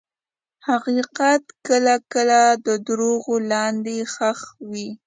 حقیقت کله کله د دروغو لاندې ښخ وي.